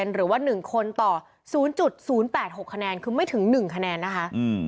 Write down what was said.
หรือว่า๑คนต่อ๐๐๘๖คะแนนคือไม่ถึง๑คะแนนนะคะ